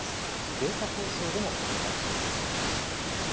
データ放送でもお伝えします。